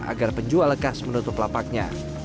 agar penjual lekas menutup lapaknya